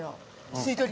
吸い取り。